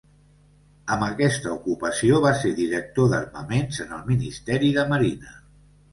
Amb aquesta ocupació va ser director d'armaments en el Ministeri de Marina.